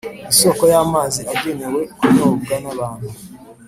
isoko y amazi agenewe kunyobwa n abantu